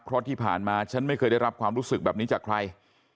เพราะที่ผ่านมาฉันไม่เคยได้รับความรู้สึกแบบนี้จากใคร